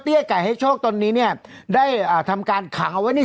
ไก่ให้โชคตนนี้เนี่ยได้อ่าทำการขังเอาไว้ใน